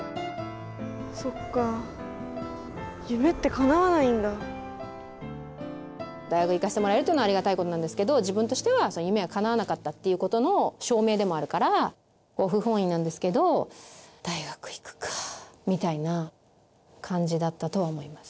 そっか大学行かせてもらえるっていうのはありがたいことなんですけど自分としては夢がかなわなかったっていうことの証明でもあるから不本意なんですけど「大学行くかぁ」みたいな感じだったとは思います